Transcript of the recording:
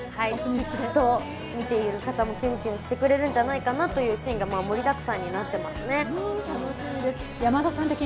見ている方もキュンキュンしてくれるんじゃないかなというシーンが盛りだくさんになっていますね。